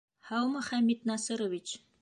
Һаумы, Хәмит Насырович!